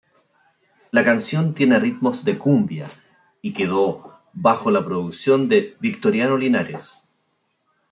La canción tiene ritmos de cumbia y quedó bajo la producción de Victorino Linares.